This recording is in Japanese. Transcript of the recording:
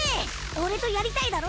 オレとやりたいだろ？